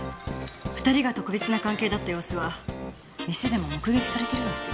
２人が特別な関係だった様子は店でも目撃されてるんですよ。